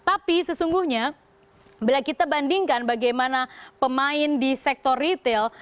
tapi sesungguhnya bila kita bandingkan bagaimana pemain di sektor retail